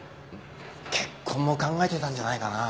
結婚も考えてたんじゃないかな。